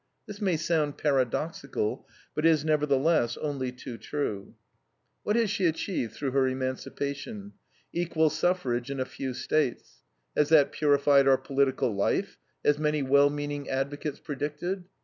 This may sound paradoxical, but is, nevertheless, only too true. What has she achieved through her emancipation? Equal suffrage in a few States. Has that purified our political life, as many well meaning advocates predicted?